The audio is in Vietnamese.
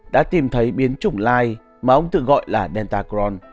đã tìm thấy biến chủng lai mà ông tự gọi là delta crohn